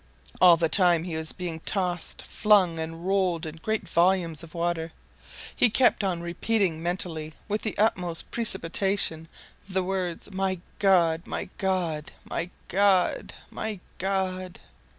All the time he was being tossed, flung, and rolled in great volumes of water, he kept on repeating mentally, with the utmost precipitation, the words: "My God! My God! My God! My God!"